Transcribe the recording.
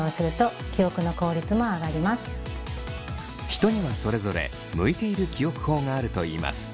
人にはそれぞれ向いている記憶法があるといいます。